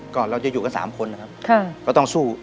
ก็เราจะอยู่กัน๓คนนะครับ